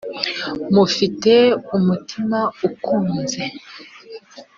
mufite umutima ukunze